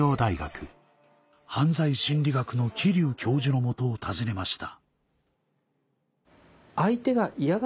犯罪心理学の桐生教授の元を訪ねました